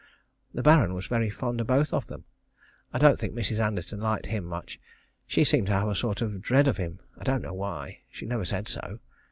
The Baron was very fond of both of them. I don't think Mrs. Anderton liked him much. She seemed to have a sort of dread of him. I don't know why; she never said so.